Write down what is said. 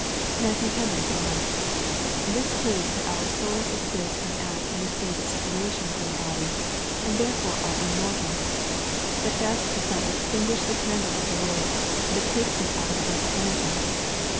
Matthew Henry remarks —" This proves that our souls exist and act in a state of separation from the body, and therefore are immortal, that death does not extinguish the candle of the Lord, but takes it out of a dark lantern.